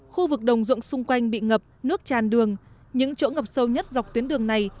khu vực đồng dụng xung quanh bị ngập nước tràn đường những chỗ ngập sâu nhất dọc tuyến đường này